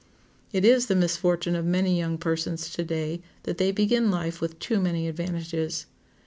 It is the misfortune of many young persons today that they begin life with too many advantages.